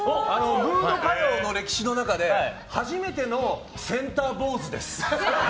ムード歌謡の歴史の中で初めてのセンター坊主です。